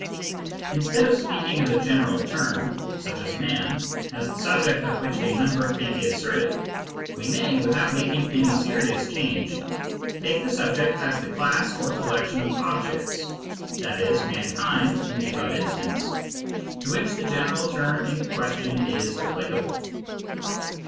Instead of speaking of a general term, such as " man, as the subject of which a number can be asserted, we may, without making any serious change, take the subject as the class or collection of objects — i.e. " mankind " in the above instance — to which the general term in question is applicable.